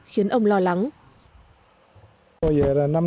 khiến ông lo lắng